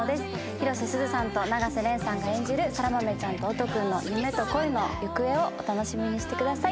広瀬すずさんと永瀬廉さんが演じる空豆ちゃんと音くんの夢と恋の行方をお楽しみにしてください